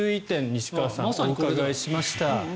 西川さんにお伺いしました。